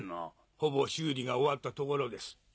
ほぼ修理が終わったところです。